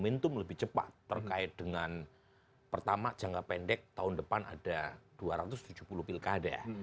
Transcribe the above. momentum lebih cepat terkait dengan pertama jangka pendek tahun depan ada dua ratus tujuh puluh pilkada